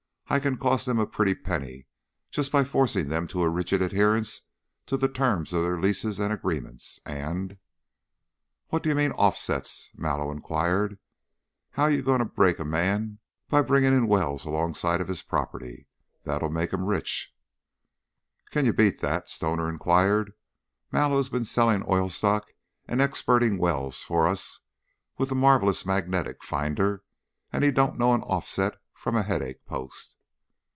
I can cost them a pretty penny just by forcing them to a rigid adherence to the terms of their leases and agreements and " "What do you mean, 'offsets'?" Mallow inquired. "How you going to break a man by bringing in wells alongside of his property? That'll make him rich." "Can you beat that?" Stoner inquired. "Mallow's been selling oil stock and experting wells for us with the Marvelous Magnetic Finder and he don't know an offset from a headache post."